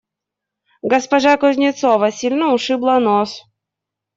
Госпожа Кузнецова сильно ушибла нос.